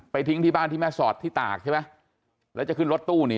ทิ้งที่บ้านที่แม่สอดที่ตากใช่ไหมแล้วจะขึ้นรถตู้หนี